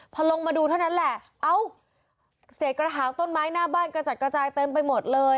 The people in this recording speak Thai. พอลงมาดูเท่านั้นแหละเอ้าเศษกระถางต้นไม้หน้าบ้านกระจัดกระจายเต็มไปหมดเลย